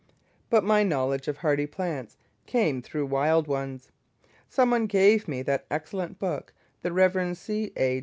But my first knowledge of hardy plants came through wild ones. Some one gave me that excellent book, the Rev. C. A.